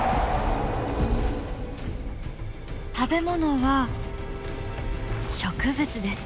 食べ物は植物です。